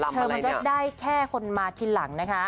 มันก็ได้แค่คนมาทีหลังนะคะ